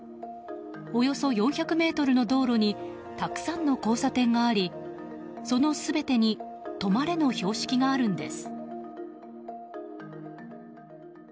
およそ４００ｍの道路にたくさんの交差点がありその全てに「止まれ」の標識があるんです。